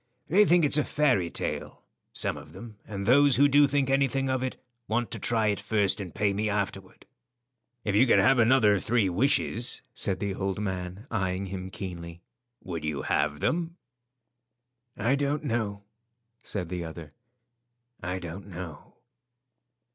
They think it's a fairy tale; some of them, and those who do think anything of it want to try it first and pay me afterward." "If you could have another three wishes," said the old man, eyeing him keenly, "would you have them?" "I don't know," said the other. "I don't know."